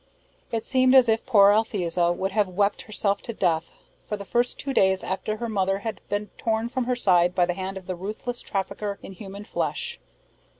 It seemed as if poor Althesa would have wept herself to death, for the first two days after her mother had been torn from her side by the hand of the ruthless trafficker in human flesh.